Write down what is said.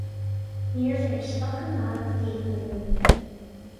Níor bhris focal maith fiacail riamh